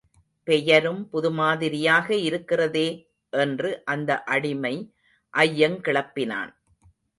பெயரும் புதுமாதிரியாக இருக்கிறதே? என்று அந்த அடிமை ஐயங் கிளப்பினான்.